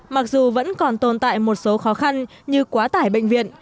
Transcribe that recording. mặc dù vẫn còn tồn tại một số khó khăn như quá tải bệnh viện